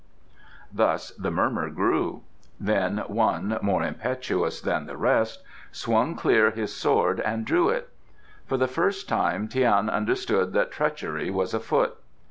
Thus the murmur grew. Then one, more impetuous than the rest, swung clear his sword and drew it. For the first time Tian understood that treachery was afoot.